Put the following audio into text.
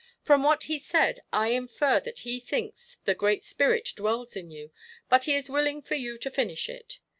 From what he said, I infer that he thinks the Great Spirit dwells in you, but he is willing for you to finish it.